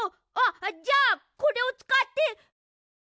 あっじゃあこれをつかって！